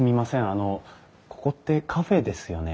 あのここってカフェですよね？